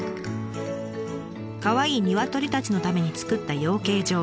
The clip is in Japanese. かわいいニワトリたちのために作った養鶏場。